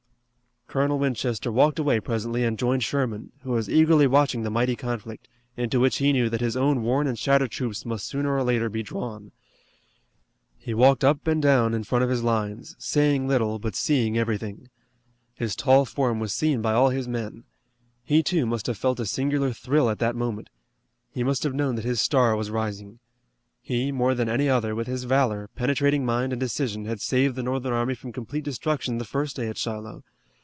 Colonel Winchester walked away presently and joined Sherman, who was eagerly watching the mighty conflict, into which he knew that his own worn and shattered troops must sooner or later be drawn. He walked up and down in front of his lines, saying little but seeing everything. His tall form was seen by all his men. He, too, must have felt a singular thrill at that moment. He must have known that his star was rising. He, more than any other, with his valor, penetrating mind and decision had saved the Northern army from complete destruction the first day at Shiloh.